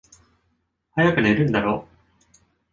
早く寝るんだろ？